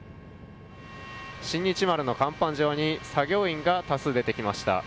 「新日丸」の甲板上に作業員が多数出てきました。